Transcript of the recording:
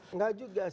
enggak juga sih